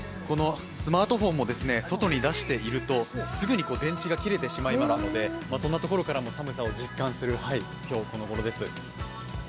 スマートフォンも外に出しているとすぐに電池が切れてしまいますのでそんなところからも寒さを実感する今日このごろです。